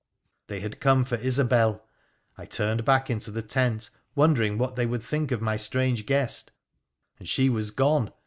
They had come for Isobel ! I turned back into the tent, wondering what they would think of my strange guest, and she was gone